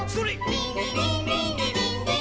「リンリリンリンリリンリンリン」